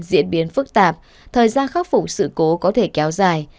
diễn biến phức tạp thời gian khắc phục sự cố có thể kéo dài